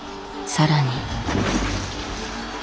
更に。